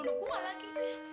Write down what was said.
nuduk gua lagi